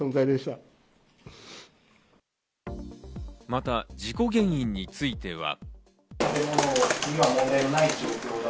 また事故原因については。